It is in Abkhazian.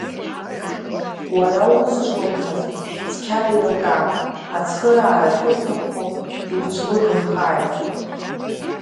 Уара улызҿлымҳаз, цқьа деилкаа, ацхыраара ахьылҭаххо иуцәлыгы-мхааит.